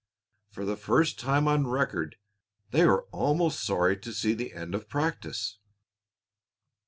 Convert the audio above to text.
For the first time on record they were almost sorry to see the end of practice.